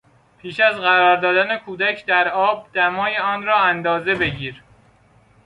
پیش از قرار دادن کودک در آب دمای آن را اندازه بگیر.